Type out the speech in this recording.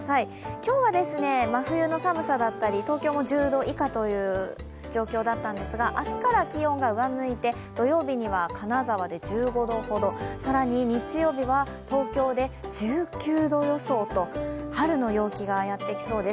今日は真冬の寒さだったり東京も１０度以下という状況だったんですが、明日から気温が上向いて、土曜日には金沢で１５度ほど、更に日曜日は東京で１９度予想と春の陽気がやってきそうです。